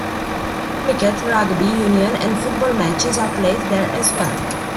Cricket, rugby union and football Matches are played there as well.